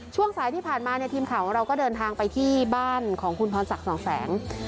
ช่วงสายที่ผ่านมาเนี่ยทีมข่าวของเราก็เดินทางไปที่บ้านของคุณพรศักดิ์สองแสง